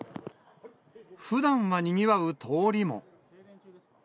ふだんはにぎわう通りも。